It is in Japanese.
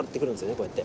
こうやって。